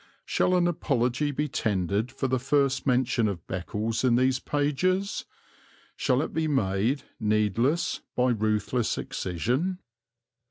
Shall an apology be tendered for the first mention of Beccles in these pages? Shall it be made needless by ruthless excision?